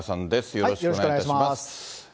よろしくお願いします。